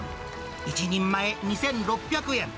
１人前２６００円。